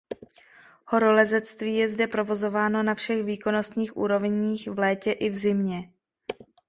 Horolezectví je zde provozováno na všech výkonnostních úrovních v létě i v zimě.